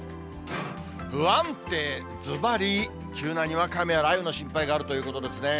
不安定、ずばり、急なにわか雨や雷雨の心配があるということですね。